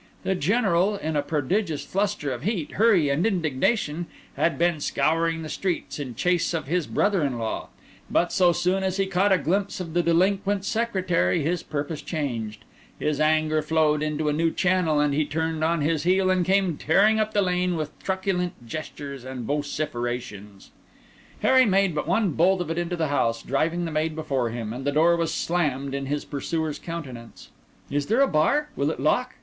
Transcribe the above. The General, in a prodigious fluster of heat, hurry, and indignation, had been scouring the streets in chase of his brother in law; but so soon as he caught a glimpse of the delinquent secretary, his purpose changed, his anger flowed into a new channel, and he turned on his heel and came tearing up the lane with truculent gestures and vociferations. Harry made but one bolt of it into the house, driving the maid before him; and the door was slammed in his pursuer's countenance. "Is there a bar? Will it lock?"